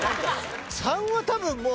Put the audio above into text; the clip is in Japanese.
３は多分もう。